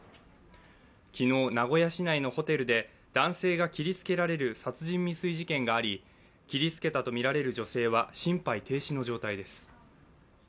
昨日、なごやしないのホテルで男性が切りつけられる殺人未遂事件があり切りつけたとみられる女性は心肺停止の状態です。